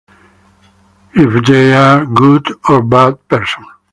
If they are good or bad person.